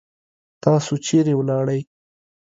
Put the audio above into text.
تاسو چیرې ولاړی؟